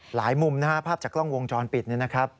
หลายมุมนะฮะภาพจากกล้องวงจรปิดเนี่ยนะครับ